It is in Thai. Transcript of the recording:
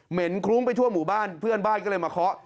เห็นคลุ้งไปทั่วหมู่บ้านเพื่อนบ้านก็เลยมาเคาะ